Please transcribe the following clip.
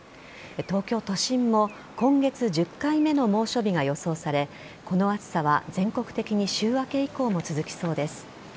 東京都心も今月１０回目の猛暑日が予想されこの暑さは全国的に週明け以降も続きそうです。